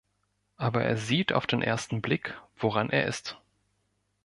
Aber er sieht auf den ersten Blick, woran er ist.